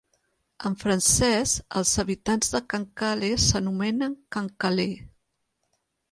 En francès, els habitants de Cancale s'anomenen "Cancalais".